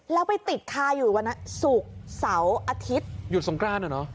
แล้วไปติดคาอยู่วันนั้นศุกร์เสาร์อาทิตย์หยุดสงกรานอ่ะเนอะ